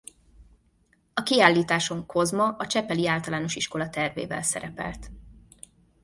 A kiállításon Kozma a csepeli általános iskola tervével szerepelt.